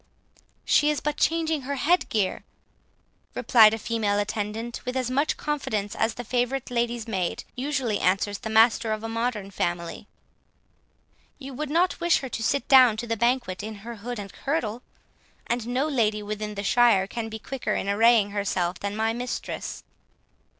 "She is but changing her head gear," replied a female attendant, with as much confidence as the favourite lady's maid usually answers the master of a modern family; "you would not wish her to sit down to the banquet in her hood and kirtle? and no lady within the shire can be quicker in arraying herself than my mistress."